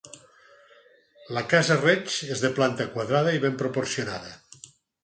La casa Reig és de planta quadrada i ben proporcionada.